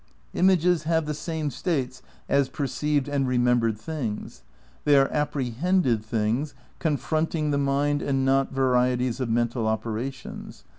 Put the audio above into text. "'... "images have the same status as perceived and remembered things. They are apprehended things confronting the mind and not varieties of mental operations.